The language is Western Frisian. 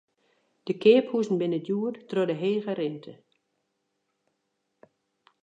De keaphuzen binne djoer troch de hege rinte.